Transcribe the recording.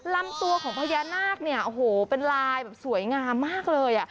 ลำตัวของพญานาคเป็นลายสวยงามมากเลย